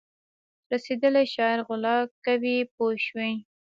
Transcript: رسېدلی شاعر غلا کوي پوه شوې!.